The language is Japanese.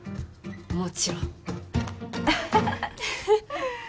もちろん。